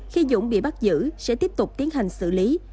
khi dũng bị bắt giữ sẽ tiếp tục tiến hành xử lý